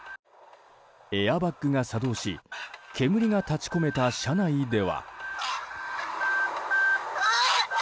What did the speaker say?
エアバッグが作動し煙が立ち込めた車内では。